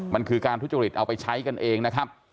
มันคือการทุจริตเอาไปใช้กันเองนะครับ